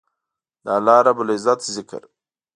د الله رب العزت ذکر